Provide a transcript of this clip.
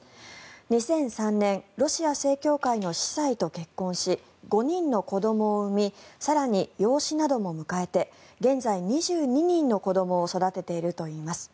２００３年ロシア正教会の司祭と結婚し５人の子どもを生み更に、養子なども迎えて現在、２２人の子どもを育てているといいます。